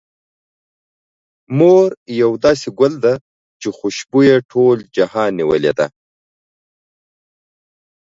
مور يو داسې ګل ده، چې خوشبو يې ټول جهان نيولې ده.